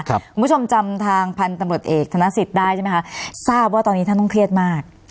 คุณผู้ชมจำทางพันธุ์ตำรวจเอกธนสิทธิ์ได้ใช่ไหมคะทราบว่าตอนนี้ท่านต้องเครียดมาก